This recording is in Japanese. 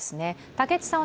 武智さん